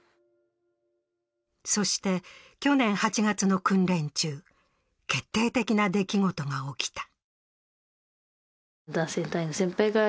そして、去年８月の訓練中、決定的な出来事が起きた。